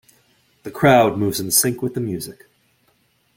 The crowd moves in sync with the music.